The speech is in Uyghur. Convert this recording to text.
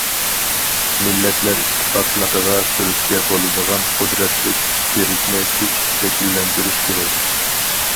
مىللەتلەر ئىتتىپاقلىقىغا تۈرتكە بولىدىغان قۇدرەتلىك بىرىكمە كۈچ شەكىللەندۈرۈش كېرەك.